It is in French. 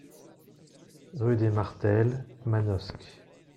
Rue des Martels, Manosque